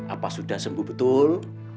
apa sudah sembuh betul